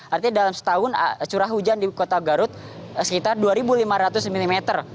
artinya dalam setahun curah hujan di kota garut sekitar dua lima ratus mm